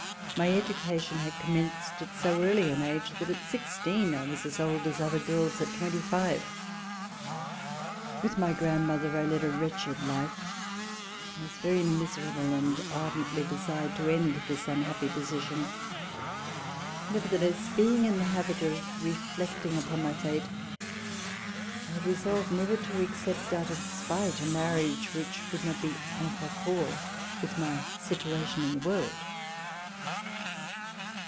My education had commenced at so early an age that at sixteen I was as old as other girls at twenty RECOLLECTIONS OF THE REVOLUTION five. With my grandmother I led a wretched Hfe. I was very miserable and ardently desired to end this unhappy position. Nevertheless, being in the habit of reflecting upon my fate, I had resolved never to accept, out of spite, a marriage which would not be e7i rapport with my situation in the world.